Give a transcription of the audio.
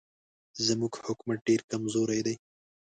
زموږ حکومت ډېر کمزوری دی.